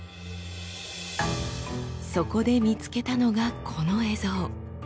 そこで見つけたのがこの映像。